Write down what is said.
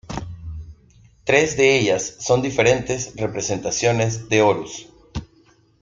Tres de ellas son diferentes representaciones de Horus.